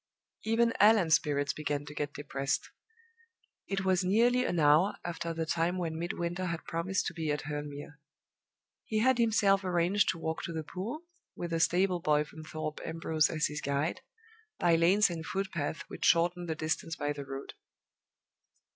Even Allan's spirits began to get depressed. It was nearly an hour after the time when Midwinter had promised to be at Hurle Mere. He had himself arranged to walk to the pool (with a stable boy from Thorpe Ambrose as his guide), by lanes and footpaths which shortened the distance by the road.